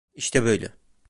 İşte böyle.